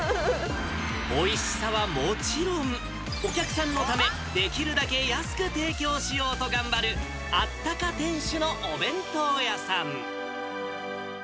おいしさはもちろん、お客さんのため、できるだけ安く提供しようと頑張るあったか店主のお弁当屋さん。